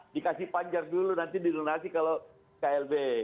dikasih panjar dulu nanti di donasi kalau klb